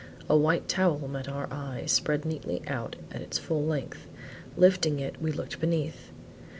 A white towel met our eyes, spread neatly out at its full length. Lifting it, we looked beneath.